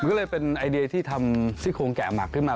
ก็เลยเป็นไอเดียที่ทำซี่โครงแกะหมักขึ้นมา